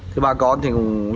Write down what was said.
thì bà con thì